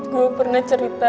gue pernah cerita